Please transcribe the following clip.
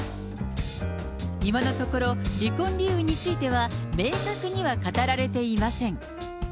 今のところ、離婚理由については明確には語られていません。